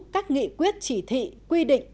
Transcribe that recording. các nghị quyết chỉ thị quy định